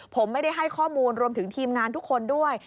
ผมไม่ได้ให้ข้อมูลรวมถึงทีมงานทุกคนด้วย